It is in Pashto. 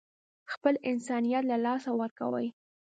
خپل انسانيت له لاسه ورکوي.